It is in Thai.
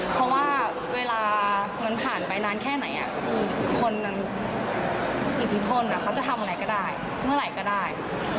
เพราะว่าเวลามันผ่านไปนานแค่ไหนคือคนอิทธิพลเขาจะทำอะไรก็ได้เมื่อไหร่ก็ได้